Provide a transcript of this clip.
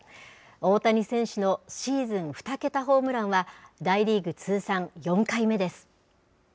大谷選手のシーズン２桁ホームランは、大リーグ通算４回目です。